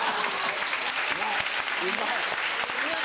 うまい。